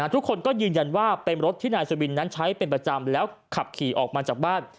ทุกคนก็ยืนยันว่าเป็นรถที่นายสุบินนั้นใช้เป็นประจำแล้วขับขี่ออกมาจากบ้าน